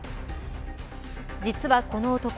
実はこの男